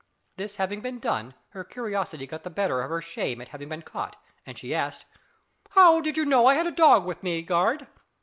This having been done, her curiosity got the better of her shame at having been "caught," and she asked "How did you know I had a dog with me, guard?"